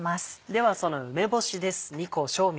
ではその梅干しです。